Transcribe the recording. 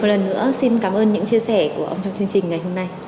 một lần nữa xin cảm ơn những chia sẻ của ông trong chương trình ngày hôm nay